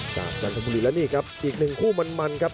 จันทบุรีและนี่ครับอีกหนึ่งคู่มันครับ